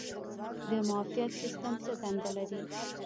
د معافیت سیستم څه دنده لري؟